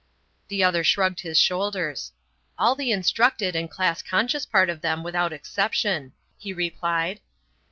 The other shrugged his shoulders. "All the instructed and class conscious part of them without exception," he replied.